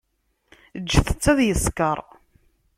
Ǧǧet-tt ad yeskeṛ.